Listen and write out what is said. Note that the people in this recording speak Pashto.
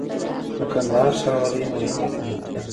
د کندهار ښاروالۍ مهمه خبرتيا